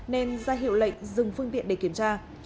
nên ra hiệu lệnh dừng phương tiện để kiểm tra